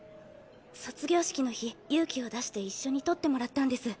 卒業式の日勇気を出して一緒に撮ってもらったんです。